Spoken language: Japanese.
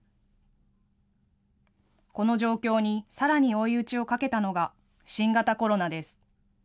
この状況にさらに追い打ちをかけたのが、新型コロナです。